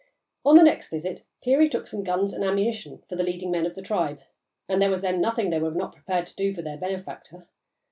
On the next visit, Peary took some guns and ammunition for the leading men of the tribe, and there was then nothing they were not prepared to do for their benefactor.